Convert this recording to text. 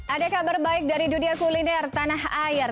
ada kabar baik dari dunia kuliner tanah air